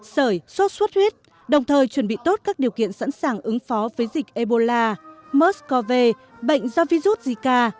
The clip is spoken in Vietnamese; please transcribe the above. sởi sốt suốt huyết đồng thời chuẩn bị tốt các điều kiện sẵn sàng ứng phó với dịch ebola mers cov bệnh do virus zika